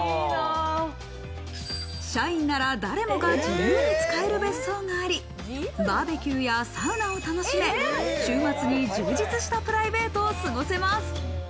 社員なら誰もが自由に使える別荘があり、バーベキューやサウナを楽しめ、週末に充実したプライベートを過ごせます。